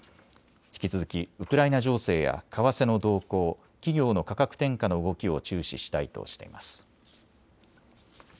引き続きウクライナ情勢や為替の動向、企業の価格転嫁の動きを注視したいとしています。